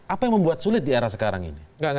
apa yang membuat sulit di era sekarang ini